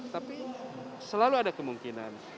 tapi selalu ada kemungkinan